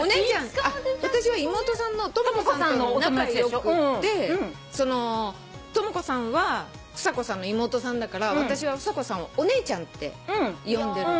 私は妹さんの知子さんと仲良くって知子さんはふさこさんの妹さんだから私はふさこさんをお姉ちゃんって呼んでる。